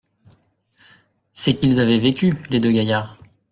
C’est qu’ils avaient vécu, les deux gaillards!